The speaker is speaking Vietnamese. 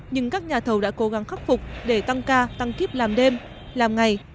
nhưng các nhà thầu đã cố gắng khắc phục để tăng ca tăng kíp làm đêm làm ngày